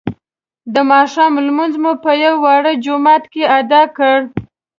د ماښام لمونځ مو په یوه واړه جومات کې ادا کړ.